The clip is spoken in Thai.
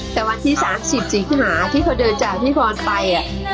แต่วันที่๓๐สิงหาที่เขาเดินจากพี่พรไป